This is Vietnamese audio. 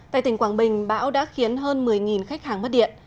tại tỉnh quảng bình bão đã khiến hơn một mươi khách hàng mất điện